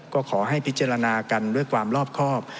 ก็ขอให้พิจารณากันด้วยความรอบครอบ